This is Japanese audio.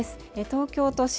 東京都心